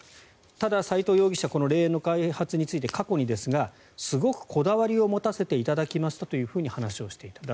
ただ、齋藤容疑者はこの霊園の開発について過去にですがすごくこだわりを持たせていただきましたという話をしていました。